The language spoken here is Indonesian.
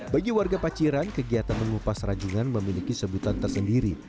bagi warga paciran kegiatan mengupas ranjungan memiliki sebutan tersendiri